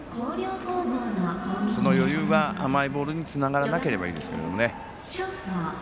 その余裕が甘いボールにつながらなければいいですけどね。